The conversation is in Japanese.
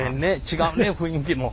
違うね雰囲気も。